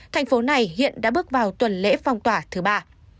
thành phố này hiện đã bước vào tuần lễ phong tỏa thứ ba